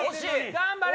頑張れ！